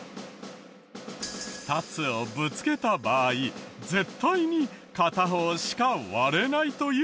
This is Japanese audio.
２つをぶつけた場合絶対に片方しか割れないというが。